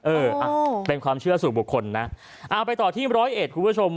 เออเป็นความเชื่อสู่บุคคลนะเอาไปต่อที่๑๐๑คุณผู้ชม